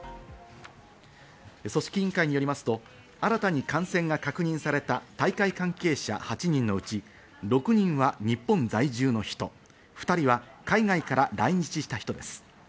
組織委員会によりますと、新たに感染が確認された大会関係者８人のうち、６人は日本在住の人、２人は海外から来日した人です。